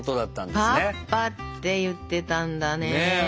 「パッパ」って言ってたんだね。